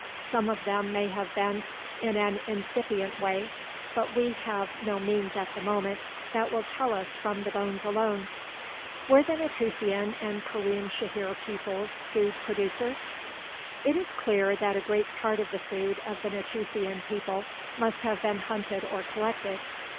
Some of them may have been, in an "incipient" way, but we have no means at the moment that will tell us from the bones alone. WERE THE NATUFIAN AND KARIM SHAHIR PEOPLES FOOD PRODUCERS? It is clear that a great part of the food of the Natufian people must have been hunted or collected.